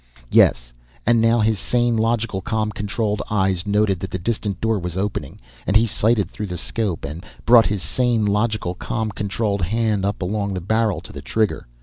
_ Yes, and now his sane, logical, calm, controlled eyes noted that the distant door was opening, and he sighted through the 'scope and brought his sane, logical, calm, controlled hand up along the barrel to the trigger.